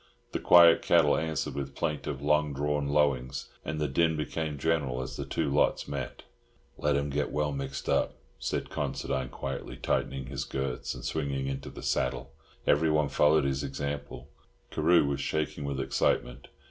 The quiet cattle answered with plaintive, long drawn lowings, and the din became general as the two lots met. "Let 'em get well mixed up," said Considine quietly, tightening his girths, and swinging into the saddle. Everyone followed his example. Carew was shaking with excitement.